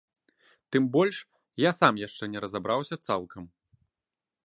Тым больш, я сам яшчэ не разабраўся цалкам.